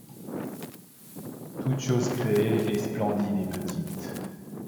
Toute chose créée est splendide et petite ;